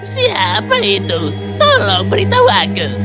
siapa itu tolong beritahu aku